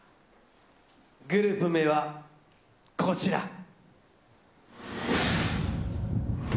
グループ名は、こちら。